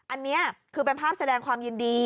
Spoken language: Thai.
อันนี้คือเป็นภาพแสดงความยินดี